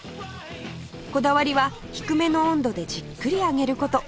こだわりは低めの温度でじっくり揚げる事